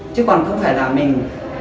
chứ còn không phải là mình